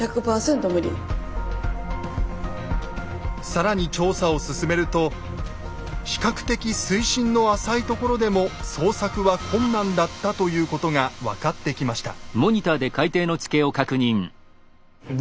更に調査を進めると比較的水深の浅いところでも捜索は困難だったということが分かってきました。